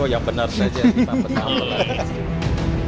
oh ya benar saja kita penampel lagi